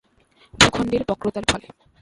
ভূখণ্ডের বক্রতার ফলে।